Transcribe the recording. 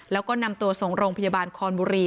แล้วก็นำตัวส่งโรงพยาบาลคอนบุรี